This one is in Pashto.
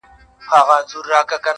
داده پښـــــتانه اشـــــــنــــٰــا~